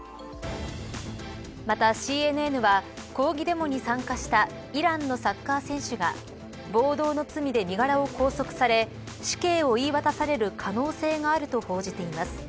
またＣＮＮは抗議デモに参加したイランのサッカー選手が暴動の罪で身柄を拘束され死刑を言い渡される可能性があると報じています。